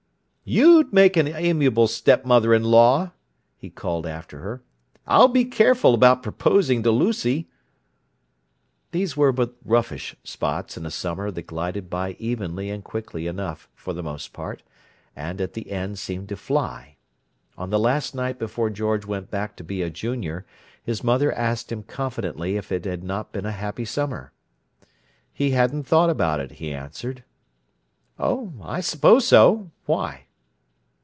"You'd make an amiable stepmother in law!" he called after her. "I'll be careful about proposing to Lucy!" These were but roughish spots in a summer that glided by evenly and quickly enough, for the most part, and, at the end, seemed to fly. On the last night before George went back to be a Junior, his mother asked him confidently if it had not been a happy summer. He hadn't thought about it, he answered. "Oh, I suppose so. Why?"